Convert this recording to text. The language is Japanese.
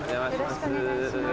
よろしくお願いします。